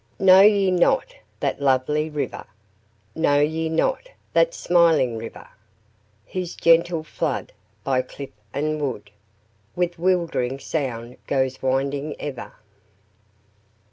"Know ye not that lovely river? Know ye not that smiling river? Whose gentle flood, by cliff and wood, With 'wildering sound goes winding ever."